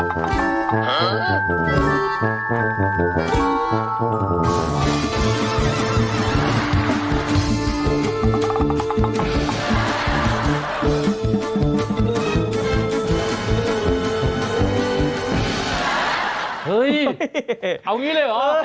เฮ้ยเอานี้เลยเหรอ